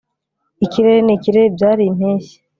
Ikirere nikirere byari ibyimpeshyi